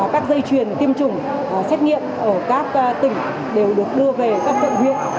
các dây chuyền tiêm chủng xét nghiệm ở các tỉnh đều được đưa về các quận huyện